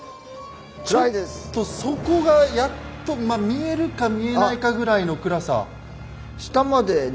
ちょっと底がやっとまあ見えるか見えないかぐらいの暗さ。